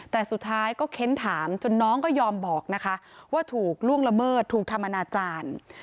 แต่สุดท้ายก็เค้นถามจนน้องก็ยอมบอกนะคะว่าถูกล่วงละเมิดถูกทำอนาจารย์